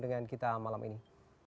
dengan kita malam ini